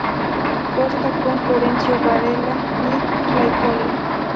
Costa con Florencio Varela y Claypole.